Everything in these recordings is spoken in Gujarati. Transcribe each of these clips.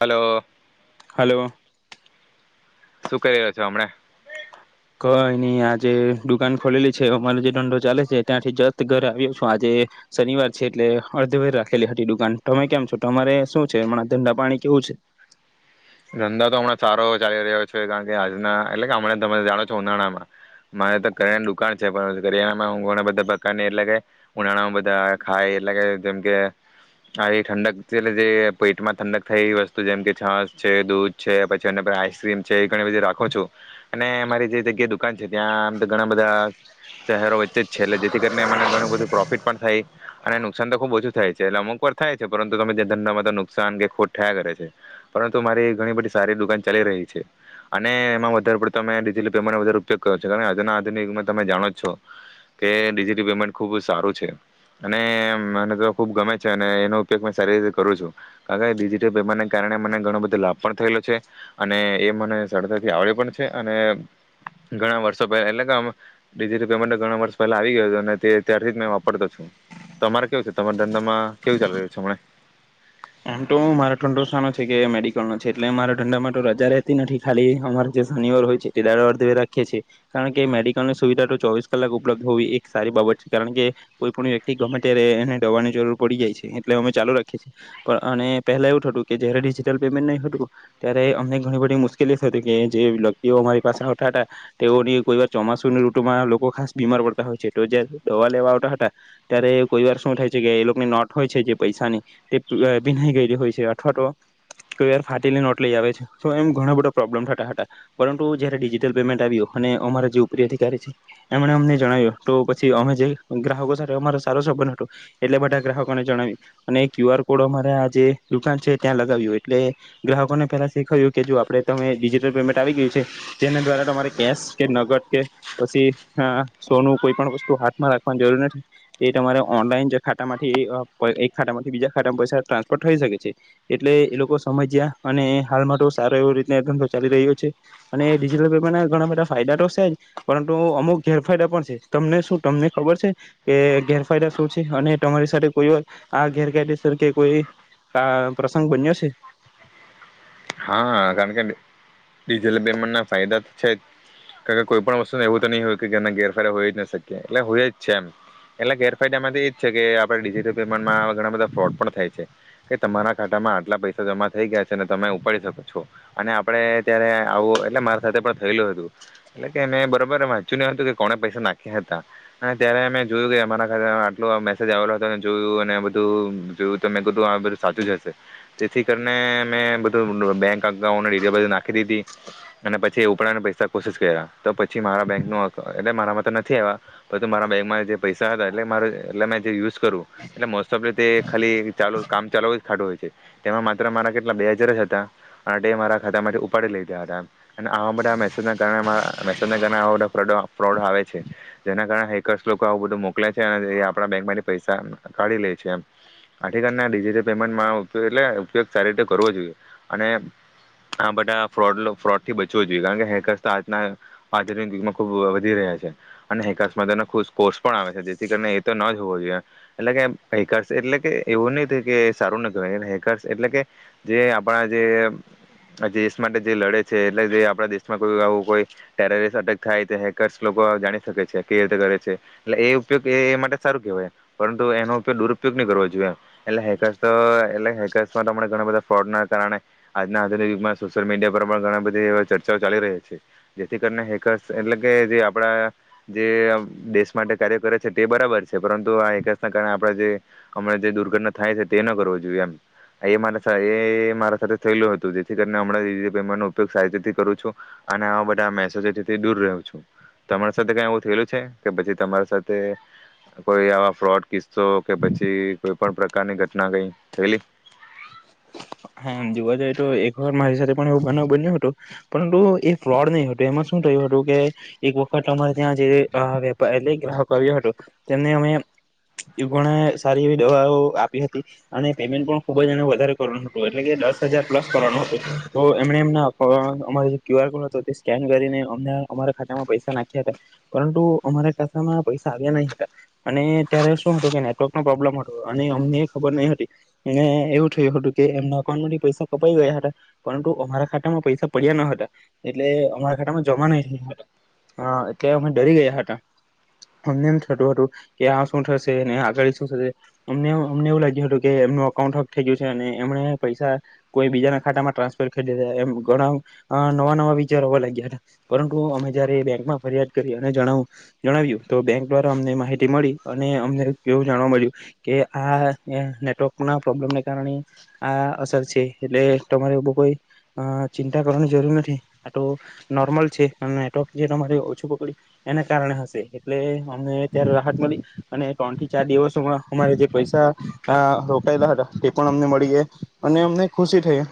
Hello hello. શું કરી રહ્યો છો હમને? કઈ નહી આજે દુકાન ખોલેલી છે અમારો જે દંડો ચાલે છે ત્યાંથી જસ્ત ઘર આવ્યો છું આજે શનિવાર છે એટલે અડધ વર રાખેલી હતી દુકાન તમે કેમ છો તમારે શું છે? હમણાં ધંડા પાણી કેવું છે? ધંધો તો હમણાં સારો ચાલી રહ્યો છે કારણ કે આજના એટલે કે હમણાં તમે જાણો છો ઉનાળામાં મારે તો કરિયાણાની દુકાન છે પણ કરિયાણામાં બધા પ્રકારની એટલે કે ઉનાળામાં બધા ખાય એટલે કે જેમ કે આવી ઠંડક એટલે જે પેટમાં ઠંડક થાય એવી વસ્તુ જેમ કે છાસ છે દૂધ છે પછી આઈસક્રીમ છે એ ઘણી બધી રાખો છો અને અમારી જે જગ્યા દુકાન છે ત્યાં આમ તો ઘણા બધા શહેરો વચ્ચે જ છે એટલે જેથી કરીને મને ઘણું બધું પ્રોફિટ પણ થાય અને નુકસાન તો ખુબ ઓછું થાય છે એટલે અમુક પર થાય છે પરંતુ તમે ધંધામાં તો નુકસાન કે ખોટ થયા કરે છે. પરંતુ મારી ઘણી બધી સારી દુકાન ચાલી રહી છે અને એમાં વધારે પડતો મેમે ડિજિટલ પેમેન્ટનો વધારે ઉપયોગ કર્યો છ છે કારણ કે આજુના આધુન યુગમાં તમે જાણો જ છો કે ડિજિટલ પેમેન્ટ ખૂબ સારું છે અને મને તો ખૂબ ગમે છે અને એનો ઉપયોગ મે સારી રીતે કરું છું કારણ કે ડિજિટલ પેમેન્ટને કારણે મને ઘણો બધો લાભ પણ થયેલો છે અને એ મને સરળતાથી આવડ્યો પણ છે અને ઘણા વર્ષો પહેલા એટલે પેમેન્ટ ઘણા વર્ષ પહેલા આવી ગયો અને ત્યારથી મે વાપરતો છું તમારે કેવું છે તમારા ધંધામાં કેવું ચાલી રહ્યું છે હમ? એમ તો મારો ઠંડો સનો છે કે મેડિકલનોો છે એટલે મારા ઠંડામાં તો રજા રહેતી નથી ખાલી અમારે જે શનિવાર હોય છે તે દારે રાખીઅ છીએ કારણ કે મેડિકલની સુવિધા તો ચોવીસ કલાક ઉપલબ્ધ હોવી એક સારી બાબત છે કારણ કે કોઈ પણ વ્યક્તિ ગમેટે રહે એને દવાની જરૂર પડી જાય છે એટલે અમે ચાલુ રાખીએ છીએ પણ અને પહેલા એવું થતું કે જયારે ડિજિટલ પેમેન્ટ નહી હતું ત્યારે અમને ઘણી બધી મુશ્કેલી થતી હતી કે જે વ્યક્તિઓ અમારી પાસે આવતા હતા તેઓની કોઈ વાર ચોમાસુની ઋતુમાં લોકો ખાસ બીમાર પડતા હોય છે તો જયારે દવા લેવા આવતા હતા ત્યારે કોઈ વાર શું થાય છે કે એ લોકોની નોટ હોય છે જે પૈસાની તે ભીનાઈ ગઈ હોય છે અથવા તો કોઈ વાર ફાટીલી નોટ લઈ આવે છે તો એમ ઘણ બધો પ્રોબ્લેમ થતા હતા પરંતુ જયારે ડિજિટલ પેમેન્ટ આવ્યું અને અમા જે ઉપરી અધિકારી છે એમણે અમને જણાવ્યું તો પછી અમે જે ગ્રાહકો સાથે અમારો સારો સંબંધ હતો એટલે બધા ગ્રાહકોને જણાવ્યું અને ક્યુ આર કોડ અમારે આ જેે દુકાન છે ત્યાં લગાવ્યું એટલે ગ્રાહકોને પેલા શીખાય્યું કે જો આપડે તમે ડિજિટલ પેમેન્ટ આવી ગયું છે તેના દ્વારા તમારે કેશ કે નગદ કે પછી સોનું કોઈ પણ વસ્તુ હાથમાં રાખવાની જરૂર નથી એ તમારે ઓનલાઈન ખાતામાંથી એક ખાતામાંથી બીજા ખાતામાં પૈસા ટ્રાન્સફર થઈ શકે. એટલે એ લોકો સમજ્યા અને હાલમાં સારો એવો રીત ધંધો ચાલી રહ્યો છે અને ડિજિટલ પેમેન્ટ ઘણા બધા ફાયદા તો છે જ પરંતુ અમુક ગેરફાયદા પણ છે તમને શું તમને ખબર છે કે ગેરફાયદા શું છે અને તમારી સાથે કોઈ વાર આ ગેરકાયદેસર કે કોઈ કા પ્રસંગ બન્યો છે. હા કારણ કે ડિજિટલ પેમેન્ટ ના ફાયદા તો છે જ કારણ કે કોઈ પણ વસ્તુ એવું તો નહી હોય કે એમના ગેરફાયદા હોય જ ન શકીએ એટલે હોય જ છે એમ એટલે ગેરફાયદા એમાંથી એ જ છે કે આપણે ડિજિટલ પેમેન્ટમાં ઘણા બધા ફ્રોડ પણ થાય છે કે તમારા ખાતામાં આટલા પૈસા જમા થઈ ગયા છે અને એને તમે પડી શકો છો અને આપડે ત્યારે આવું એટલે મારા સાથે પણ થયેલું હતું એટલે કે મેં બરાબર વાંચ્યું ન હતું કે કોણે પૈસા નાખ્યા હતા અને ત્યારે મેમે જોયું કે અમારા ખાતે આટલો મેસેજ આવેલો હતો અને જોયું અને બધું જોયું તો મેં કું આ બધું સાચું જ હશે તેથી કરીને મે બેંક અઉુ નાખી દીધી અને પછી ઉપરાને પૈસા કોશિશ કર્યા તો પછી મારા બેંક ન એટલે મારામાં તો નથી આવ્યાું મારા બેંકમાં જે પૈસા હતા એટલે મા એટલે મે જે યુઝ કરું એટલે મોસ્ટ ઓફ રીતે ખાલી ચાલ કામ ચાલવ ખાટું હોય છે તેમાં માત્ર મારા કેટલા બે હજાર જ હતા. મારા ખાતા ઉપાડી લીધા હતા એ આવા માટે મેજ મેજ કારણે બ ફ્રોડ આવે છે જેના કારણે હેકર્સ લોકો આવ બધું મોકલે છે અને આપણા બેંક થી પૈસા કાઢી લે છે એમ આઠિટલ પેમેન્ટમાં એટલે ઉપયોગ સારી રીતે કરવો જોઈએ. અને આ બધા ફોડ ફ્રોડથી બચવું જોઈએ કારણ કે હેકર્સ તો આજના આધુમાં ખબ વધી રહ્યા છે અને હેકર્સમાં ખબકોર્સ પણ આવે છે જેથી કરીને એ તો ન હોવો જોઈએ એટલે કે હેકર્સ એટલે કે એવું નહ કે સારું નવા હેકર્સ એટલે કે જે આપણા જે દેશ માટે જે લડે છે એટલે જે આપણા દેશમાં કોઈ આવું કોઈ ટેરરસ્ટ અટેક થાય હેકર્સ લોકો જાણી શકે છે કે રીતે કરે છે એટલે એ ઉપયોગ એ માટે સારું કેહેવાય પરંતુ એનો ઉપગ દુરુપયોગ નહી કરવો જોઈએ એટલે હેકર્સ તો એટલે હેકર્સમાં ઘણા બધા ફ્રોડના માં સોશિયલ મીડિયા પર પણ ઘણા બધી ચર્ચાઓ ચાલી રહી છે જેથી કરીને હેર્સ એટલે કે જે આપડા જે દેશ માટે કાર્ય કરે છે તે બરાબર છે પરંતુ આ હેર્સના કારણે આપણે જે હમણા જે દુર્ઘટના થાય છે તે ન કરવો જોઈએ એમ એ મા મારા સાથે થયેલું હતું જેથી કરીને હમેમેન્ટ નો ઉપયોગ સારી રીતે કરું છું અને આવા બધા મેસેજથી દૂર રહું છું તમારી સાથે કઈ એવું થયેલું છે કે પછી તમારી સાથે કોઈ આવા ફ્રોડ કિસ્સો કે પછી કોઈ પણ પ્રકારની ઘટના કઈ થયેલી. હામ જોવા જઈએ તો એક વખત મારી સાથે પણ એવું બનાવ બન્યું હતું પરંતુ એ ફ્રોડ નહી હતું એમાં શું થયું હતું કે એક વખત અમારે ત્યાં જે વેપારી ગ્રાહકો આવ્યો હતો તેમને અમે ઘણા સારી એવી દવાઓ આપી હતી અને પેમેન્ટ પણ ખુબ જ એ વધારે દસ હજ પ્લું તો એમ એમના અમા જે ક્યુ આર કોડ હતો તે સ્કેન કરીને અમ અમારા ખાતામાં પૈસા નાખ્યા હતા પરંતુ અમારા ખાતામાં પૈસા આવ્યા નહી હતા અને ત્યારે શું હતું કે નેટવર્ક ન પ્રોબ્લેમ હતો અને અમને ખબર નહી હતી અને એવું થયું હતું. કે એમના અકાઉન્ટ માંથી પૈસા કપાઈ ગયા હતા પરંતુ અમારા ખાતામાં પૈસા પડ્યા ન હતા એટલે અમારા ખાતામાં જમા નહી થયા હતા એટલે અમે ડરી ગયા હતા અમને એમ થતું હતું કે આ શું થશે અને આગળ શું થશે અમને અમને એવું લાગ્યું હતું કે એમનું અકાઉન્ટ હક થઈ ગયું છે. એમણે પૈસા કોઈ બીજાના ખાતામાં ટ્રાન્સફર કરી દેધા એમ ઘણા નવા નવા વિચાર હોવા લાગ્યા હતા પરંતુ અમે જ્યારે બેન્કમાં ફરિયાદ કરી અને જણાવ જણાવ્યું તો બેંક દ્વારા અમને માહિતી મળી અને અમને એવું જાણવા મળ્યું કે આ નેટવર્કના પ્રોબ્લેમને કારણે આ અસર છે એટલે તમારે કોઈ ચિંતા કરવાની જરૂર નથી આ તો નોર્મલ છે અને નેટવર્ક જે તમારે ઓછું પકડ્યું એના કારણે હશે એટલે અમને ત્યારે રાહત મળી અને ત્રણ થી ચાર દિવસમાં અમારે જે પૈસા રોકાયેલા હતા તે પણ અમને મળ અમ ખુશી થઈ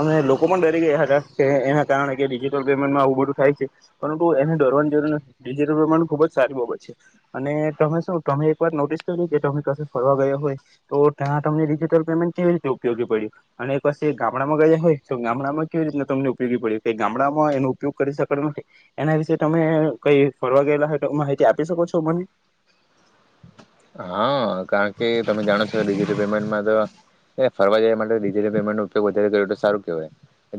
અ લોકો પણ ડરી ગયા હતા કે એના કારણે કે ડિજિટલ પેમેન્ટમાં આવું બધું થાય છે પરંતુ એને ડરવાની જરૂર ડિજટલ પેમેન્ટ ખુબ જ સારી બાબત છે અને તમે શું તમે એક વાર નોટિસ કરી કે તમે ક ફરવા ગયો હોય તો ત્યાં તમને ડિજટલ પેમેન્ટ કેવી રીતે ઉપયોગી પડ્યો અને એકછ ગામડામાં ગયા હોય તો ગામડામાં કેવી રીતના તમને ઉપયોગી પડ્યો કે ગામડામાં એનો ઉપયોગ કરી શકતો નથી એના વિશે તમે કઈ ફરવા ગયેલા હોય તો માહિતી આપી શકો છો મને? હા કારણ કે તમે જાણો છો કે ડિજિટલ પેમેન્ટમાં તો ફરવા જાય માટે ડિજિટલ પેમેન્ટ નો ઉપયોગ વધારે કર્યો તો સારું કેહેવાય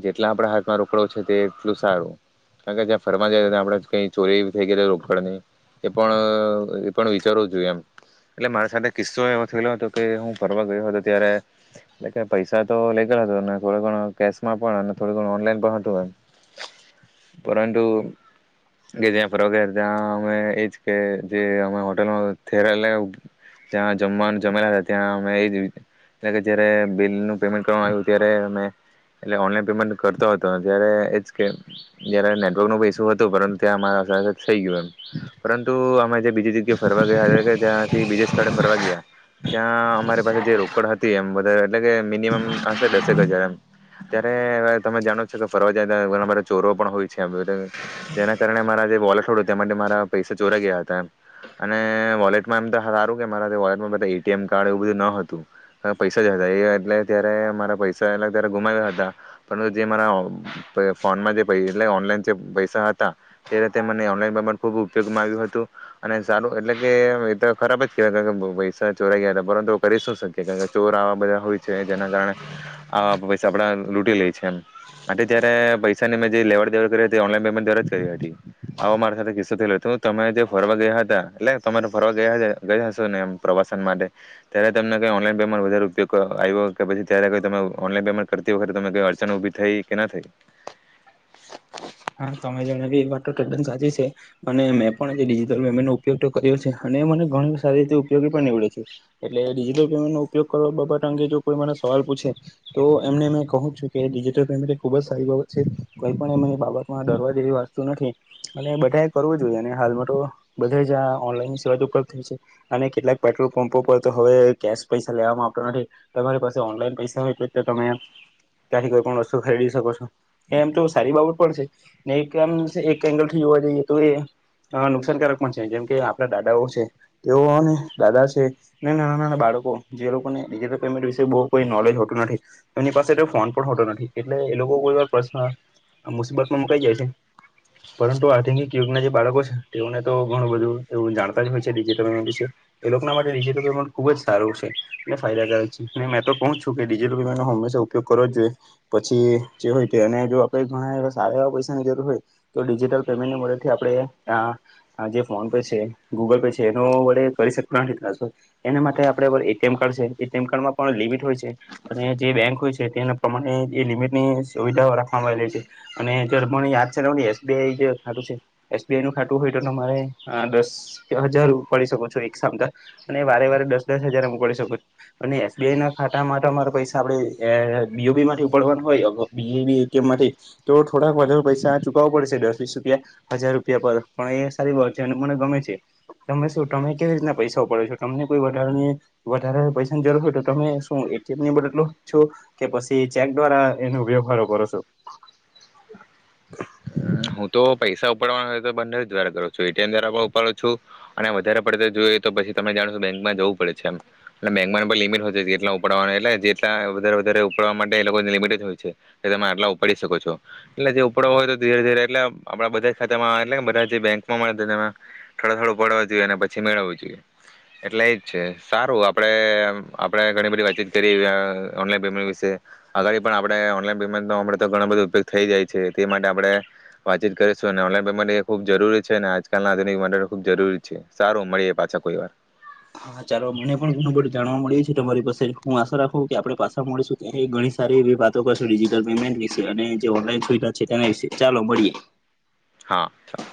જેટલા આપડા હાથમાં રોકડો છે તે એટલું સારું કારણ કે જ્યાં ફરવા જાય ત આપે કઈ ચોરી થઈ ગય રોકડ ની એ પણ એ પણ વિચારવું જોઈએ એમ. એટલે મારી સાથે કિસ્સો એવો થયેલો હતો કે હું ફરવા ગયો હતો ત્યારે એટલે કે પૈસા તો લઈ ગેલા હતો થોડણ કેશમાં પણ અને થોડુંણ ઓનલાઈન પણ હતું પરંતુ કે જ્યાં ફરવા ગયા ત્યાં અમે એજ કે જે અમે હોલમાં ત્યારે ત્યાં જમવાનું જમેલા હતા ત્યાં અમે એ જ બિલ ન પેમેન્ટ કરવા આવ્યું ત્યારેમ મેં એટલે ઓનલાઈન પેમેન્ટ કરતો હતો ત્યારે એ કે જયારે નેટવર્ક ન ઇસુ હતું પરંતુ ત્યાં મા થઈ ગયયો એમ પરંતુ બીજી જગ્યા ફરવા ગયા છે. ક ત્યા બીજ સ્થળે ફરવા ગયા ત્યાં અમારી પાસે જે રોકડ હતી એમ વધારે એટલે કે મિનિમમ હશે દસ ત્યારે તમે જાણો કે ફરવા જાય મા ચોર પણ હોય છે જેના કારણે મારા જે વોલેટ હોડું તે માટે મારા પૈસા ચોરા ગયા હતા અને વોલેટ સારું કે મારા વોલેટમાં બધા એટીએમ કાર્ડ એવું બધું ન હતું પૈસા જ હતા એ એટલે ત્યારે મારા પૈસા ત્યારે ગુમાવ્યા હતા પરંતુ જે મારા ફોનમાં એટ ઓનલાઈન જે પૈસા હતા તે રીતે મને ઓનલાઈન પેમેન્ટ ખૂબ ઉપયોગમાં આવ્યું હતું અને સારું એટલે કે ખરાબ જ પૈસા ચોરા ગયા હતા પરંતુ કરી શું શકી ચોર આવા બધા હોય છે જેના કારણે આવા પૈસા આપડા લૂટી લે છે એમટ જય્યારે પૈસાની મેં જે લેવડ દેવડ કરી હતી ઓનલાઈન પેમેન્ટ દ્વારા જ કરી હતી આવો મારા સાથે કિસ્સો થયેલો હતો તમે જે ફરવા ગયા હતા એટલે તમારે ફરવા ગયા ગયા હશો ને એમ પ્રવાસન માટે ત્યારે તમને કઈ ઓનલાઈન પેમેન્ટ વધારે ઉપયોગ આવ્યો કે પછી ત્યારેઈ તમે ઓનલાઈન પેમેન્ટ કર તે વખતે તમે કઈ અડચણ ઉભી થઈ કે ના થઈ. હા તમે જણાવ્યું એ વાત તો તદ્દન સાચી છે અને મેં પણ આજે ડિજિટલ પેમેન્ટ નો ઉપયોગ કર્યો છે અને મને ઘણ સારી રીતે ઉપયોગી પણ નીવડ્યો છે એટલે ડિજિટલ પેમેન્ટનો ઉપયોગ કરવા બાબત અંગે જો કોઈ મને સવાલ પૂછે તો એમને મે કહું છું કે ડિજિટલ પેમેન્ટ એ ખુબ જ સારી બાબત છે કઈ પણ બાબત ડરવા જેવી વસ્તુ નથી અને બધા કરવું જોઈએ અને હાલમાં તો બધે જ આ ઓનલાઈન સેવા ઉપલબ્ધ થઈ છે અને કેટલાક પેટ્રોલ પંપો પર તો હવે કેશ પૈસા લેવાવામાં આવતો નથી તમારી પાસે ઓનલાઈન પૈસા હોય એટલે તમે ત્યાંથી કોઈ પણ વસ્તુ ખરીદી શકો છો એ એમ તો સારી બાબત પડશે. એક એંગલ થી જોવા જઈએ તો એ નુકસાનકારક પણ છે જેમ કે આપણા દાદાઓ છે તેઓ અને દાદા છે ને નાના નાના બાળકો જે લોકોને ડિજટલ પેમેન્ટ વિશે બહ કોઈ નોલેજ હોતું નથી એમની પાસે તો ફોન પણ હોતો નથી એટલે એ લોકો કોઈ વાર પ્રશ્ન મુસીબત ય પરંતુ આધુનિક યુગના જે બાળકો છે તેઓને તો ઘણું બધું એવું જાણતા જ હોય છે ડિજિટલ પેમેન્ટ વિશે એ લોકોના માટે ડિજિટલ પેમેન્ટ ખુબ જ સારું છે અને ફાયદાકારક છે અને મેં તો કહ છું કે ડિજટલ પેમેન્ટ નો હંમેશા ઉપયોગ કરવો જ જોઈએ પછી જે હોય જો આપણા સારા એવા પૈસાની જરૂર હોય તો ડીજિટલ પેમેન્ટની મદદથી આપણે જે ફોન પે છે ગૂગલ પે છે એનો વડે કરી શકતા નથી એના માટે આપણે એ ટી એમ કાર્ડ છે એટીએમ કાર્ડમાં પણ લિમિટ હોય છે અને જે બેંક હોય છે તેના પ્રમાણે એ લિમિટની સુવિધાઓ રાખવામાં આવેલી છે. અને પણ યાદ છેને એસ બી આઈ જે ખાટું છે એસ બી આઈ નું ખાટું હોય તો તમારે દસ હજાર ઉપાડી શકો છો એક સામ અને વારે વારે દસ દસ હજાર હ ઉપડી શકો છું અને એસ બી આઈ ના ખાતામાં અરે પૈસા આપડે બીબી થી ઉપાડવાનું હોય. તો થોડાક વધારે પૈસા ચુકવો પડશે દસ વીસ રૂપિયા હજાર રૂપિયા પર પણ એ સારી બાત છે અને મને ગમે છે તમે શું તમે કેવી રીતના પૈસાઓ પડે છો તમને કોઈ વધની વધારે પૈસાની જરૂર હોય તો તમે શું એ ટી એમ ની બદલો છો કે પછી ચેક દ્વારા એનો વ્યવહાર કરો છો. [inaudible] હું તો પૈસા ઉપાડવાના હોય તો બંને જ દ્વારા કરું છું એટીએમ દ્વારા પણ ઉપાડું છું અને વધારે પડતો જોઈએ તો પછી તમે જાણો છો બેંકમાં જવું પડે છે એમ બેંકમાં લિમિટ હોય છે જેટલા ઉપાડવાના એટલે જેટલા વધારે વધારે ઉપડવા માટે એ લોકોને લિમિટે જ હોય છે કે તમે આટલા ઉપાડી શકો છો એટલે જે ઉપાડવા હોય તો ધીરે ધીરે એટલે આપણા બધા જ ખાતામાં એટલે બધા જે બેંક માં મળે થોડ થડું પડવા જોઈએ અને પછી મેળું જોઈએ એટલે એજ છે સારું આપે આપે ઘણી બધી વાતચીત કરી ઓનલાન પેમેન્ટ વિશે અગળ પણ આપણે ઓનલાઈન પેમેન્ટ ન તો ઘણા બધા ઉપયોગ થઈ જાય છે તે માટે આપણે વાતચીત કરીશું અને ઓનલાઈન પે માટે ખૂબ જરૂરી છે ને આજકાલ ના આધુનિક માટે ખૂબ જરૂરી છે સારું મળીએ પાછા કોઈ વાર. હા ચાલો મને પણ ઘણું બધું જાણવા મળ્યું છે તમારી પાસે હું આશા રાખું કે આપણે પાછા મળીશું ત્યાં ઘણી સારી એવી વાતો કરશું ડજિટલ પેમેન્ટ વિશે અને જે ઓનલાઈન સુવિધા છે તેના વિશે ચાલો મળીએ. હા ચાલ.